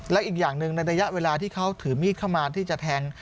และอีกอย่างหนึ่งในระยะเวลาที่เขาถือมีดเข้ามาที่จะแทง